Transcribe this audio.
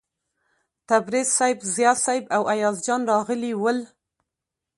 تبریز صیب، ضیا صیب او ایاز جان راغلي ول.